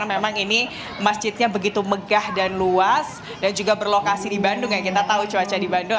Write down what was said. memang ini masjidnya begitu megah dan luas dan juga berlokasi di bandung ya kita tahu cuaca di bandung